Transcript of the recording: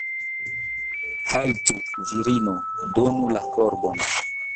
Haltu, virino, donu la korbon!